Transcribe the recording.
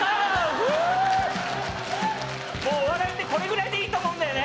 フーッもうお笑いってこれぐらいでいいと思うんだよね